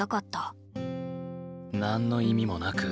何の意味もなく。